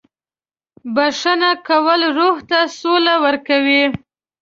• بښنه کول روح ته سوله ورکوي.